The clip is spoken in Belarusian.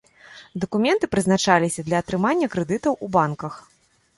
Дакументы прызначаліся для атрымання крэдытаў у банках.